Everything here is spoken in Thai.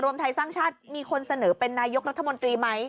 รวมไทยสร้างชาติมีคนเสนอเป็นนายกรัฐมนตรีไหม